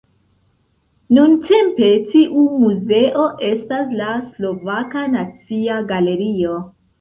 Nuntempe tiu muzeo estas la Slovaka Nacia Galerio.